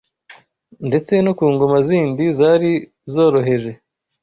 ndetse no ku ngoma zindi zari zoroheje